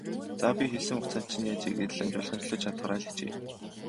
За, би хэлсэн хугацаанд чинь яаж ийгээд л амжуулахын төлөө чадахаараа л хичээе.